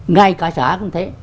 ngay cả xã cũng thế